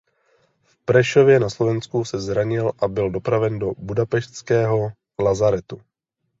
V Prešově na Slovensku se zranil a byl dopraven do Budapešťského lazaretu.